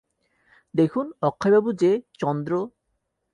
দেখুন, অক্ষয়বাবু যে– চন্দ্র।